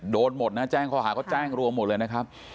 โดนหมดนะแจ้งข้อหาเขาแจ้งรวมหมดเลยนะครับ